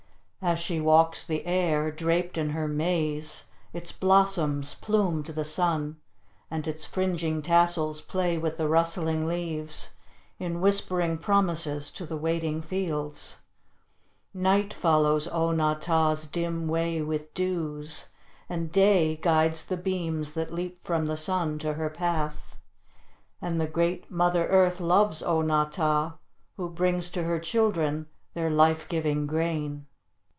As she walks the air, draped in her maize, its blossoms plume to the sun, and its fringing tassels play with the rustling leaves in whispering promises to the waiting fields. Night follows O na tah's dim way with dews, and Day guides the beams that leap from the sun to her path. And the great Mother Earth loves O na tah, who brings to her children their life giving grain.